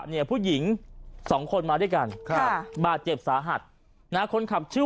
เนี่ยผู้หญิงสองคนมาด้วยกันครับบาดเจ็บสาหัสนะคนขับชื่อ